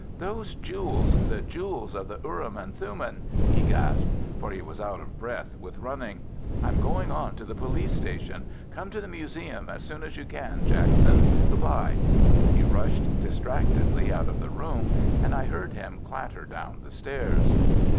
Those jewels! The jewels of the urim and thummim!" he gasped, for he was out of breath with running. "I'm going on to the police station. Come to the museum as soon as you can, Jackson! Good bye!" He rushed distractedly out of the room, and I heard him clatter down the stairs.